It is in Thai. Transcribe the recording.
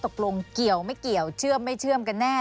ตกลงเกี่ยวไม่เกี่ยวเชื่อมไม่เชื่อมกันแน่